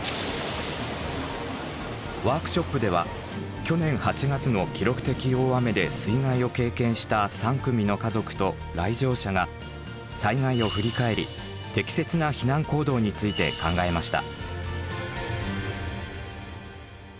ワークショップでは去年８月の記録的大雨で水害を経験した３組の家族と来場者が災害を振り返り適切な避難行動について考えました。